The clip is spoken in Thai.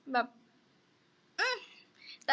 แบบอืม